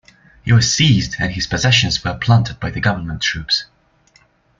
He was seized and his possessions were plundered by the government troops.